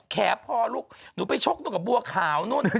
แขคพอลูกหนูไปชกตกาบุวขาวหนึ่ง